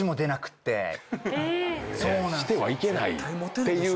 してはいけないっていう。